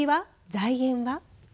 財源は？